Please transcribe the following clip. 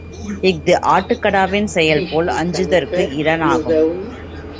இஃது ஆட்டுக்கடாவின் செயல்போல் அஞ்சுதற்கு இடனாகும்.